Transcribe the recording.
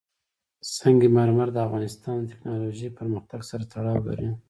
سنگ مرمر د افغانستان د تکنالوژۍ پرمختګ سره تړاو لري.